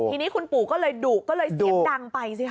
ทีนี้คุณปู่ก็เลยดุก็เลยเสียงดังไปสิค่ะ